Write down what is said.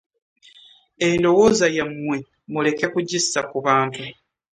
Endowooza yammwe muleke kugissa ku bantu.